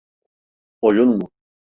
Oyun mu?